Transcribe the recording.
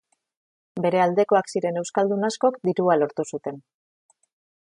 Bere aldekoak ziren euskaldun askok dirua lortu zuten.